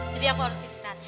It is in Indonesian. jadi aku harus istirahat